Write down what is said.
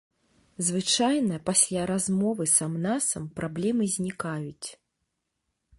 Звычайна пасля размовы сам-насам праблемы знікаюць.